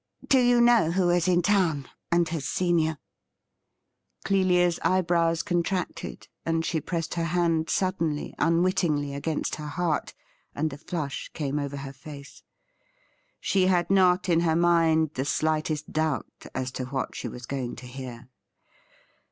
Do you know who is in town, and has seen you ?' Clelia's eyebrows contracted, and she pressed her hand suddenly, unwittingly, against her heart, and a flush came over her face ; she had not in her mind the slightest doubt as to what she was going to hear.